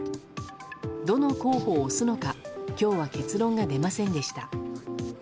どの候補を推すのか今日は結論が出ませんでした。